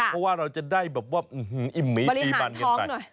เพราะว่าเราจะได้แบบว่าอิ่มมีปรีบันเงินใส่